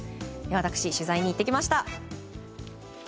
私、取材に行ってきました。